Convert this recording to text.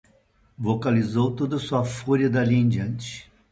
Vocalizou toda a sua fúria dali em diante